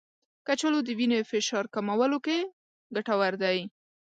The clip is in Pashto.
کچالو د وینې فشار کمولو کې ګټور دی.